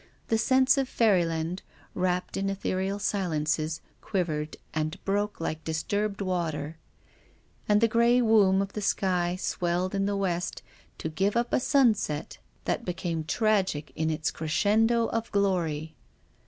The sense of fairyland, wrapped in ethereal silences, quivered and broke like disturbed water. And llie grey womb of the sky swelled in the west to give uj) a sunset that became tragic in its crescendo of glory.